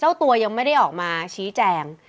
ตัวยังไม่ได้ออกมาชี้แจง